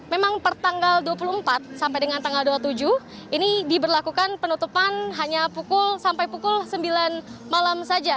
memang pertanggal dua puluh empat sampai dengan tanggal dua puluh tujuh ini diberlakukan penutupan hanya pukul sampai pukul sembilan malam saja